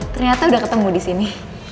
ternyata udah ketemu disini